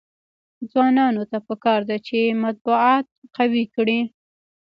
ځوانانو ته پکار ده چې، مطبوعات قوي کړي.